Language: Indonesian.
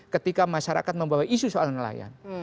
ketika masyarakat membawa isu soal nelayan